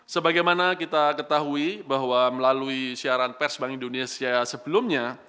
sebagaimana kita ketahui bahwa melalui siaran pers bank indonesia sebelumnya